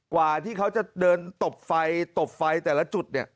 กว่าที่เขาจะเดินตบไฟตบไฟแต่ละจุดเนี่ย